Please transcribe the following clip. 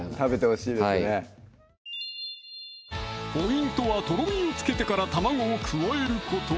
はいポイントはとろみをつけてから卵を加えること